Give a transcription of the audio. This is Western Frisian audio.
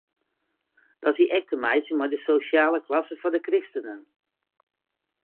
Dat hie ek te meitsjen mei de sosjale klasse fan de kristenen.